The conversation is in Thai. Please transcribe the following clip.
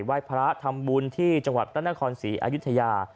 ไหว้พระทำบุญที่จังหวัดพระนครศรีอายุทยา